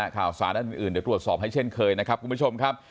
ข่าวสารด้านอื่นเดี๋ยวตรวจสอบให้เช่นเคยนะครับคุณผู้ชมครับ